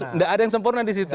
tidak ada yang sempurna disitu